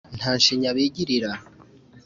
nta shinya bigirira